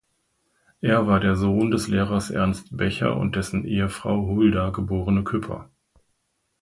Er war der Sohn des Lehrers Ernst Becher und dessen Ehefrau Hulda geborene Küpper.